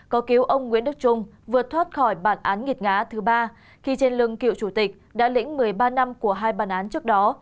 có cứu ông nguyễn đức trung vượt thoát khỏi bản án nghịt ngá thứ ba khi trên lưng cựu chủ tịch đã lĩnh một mươi ba năm của hai bản án trước đó